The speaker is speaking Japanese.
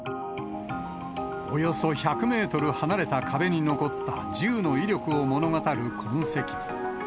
およそ１００メートル離れた壁に残った銃の威力を物語る痕跡。